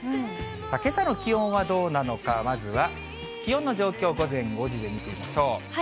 けさの気温はどうなのか、まずは気温の状況、午前５時で見てみましょう。